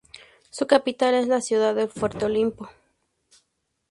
Su capital es la ciudad de Fuerte Olimpo.